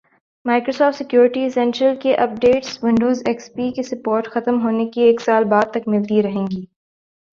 Microsoft security essential کی updates Windows X P کی support ختم ہونے کے ایک سال بعد تک ملتی رہیں گی